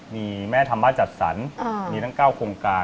มีแม่ธรรมะจัดสรรมีทั้ง๙โครงการ